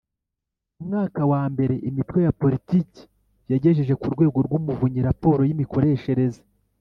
Mu mwaka wa mbere imitwe ya Politiki yagejeje ku Rwego rw Umuvunyi raporo y imikoreshereze